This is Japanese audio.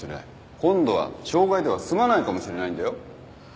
今度は傷害では済まないかもしれないんだよ。